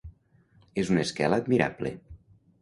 Es una esquela admirable.